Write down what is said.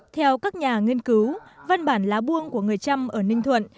theo các nhà nghiên cứu văn bản lá buông của người trăm ở ninh thuận